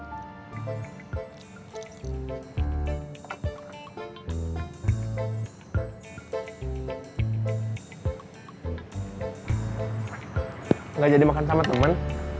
enggak jadi makan sama temen